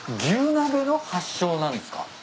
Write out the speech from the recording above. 牛鍋の発祥なんですか？